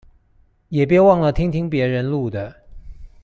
也別忘了聽聽別人錄的